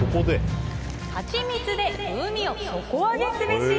はちみつで風味を底上げすべし。